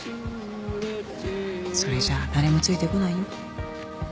それじゃあ誰もついてこないよ。